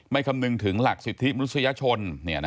คำนึงถึงหลักสิทธิมนุษยชน